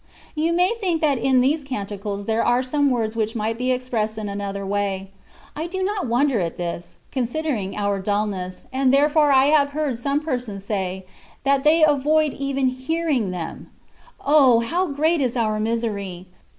You may think that in these Canticles there are some words which might be expressed in another way: I do not wonder at this, considering our dulness, and therefore I have heard some persons say, that they avoid even hearing them. O ! how great is our misery